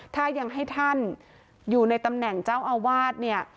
ถ้ายังให้ท่านอยู่ในตำแหน่งเจ้าอาวาสเนี่ย